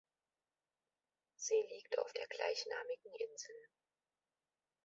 Sie liegt auf der gleichnamigen Insel.